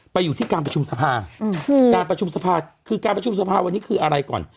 ไปอยู่ที่การประชุมสภาการประชุมสภาคือการประชุมสภาวันนี้คืออะไรก่อน